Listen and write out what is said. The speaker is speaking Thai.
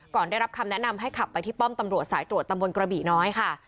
ได้รับคำแนะนำให้ขับไปที่ป้อมตำรวจสายตรวจตำบลกระบี่น้อยค่ะ